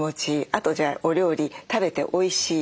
あとじゃあお料理食べておいしい。